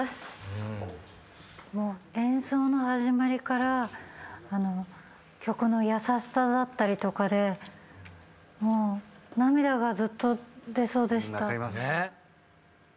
演奏の始まりから曲の優しさだったりとかでもう涙がずっと出そうでした。